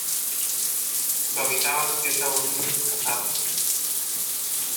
Lo habitaban siete aborígenes casados.